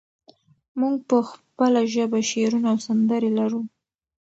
موږ په خپله ژبه شعرونه او سندرې لرو.